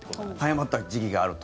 早まった時期があると。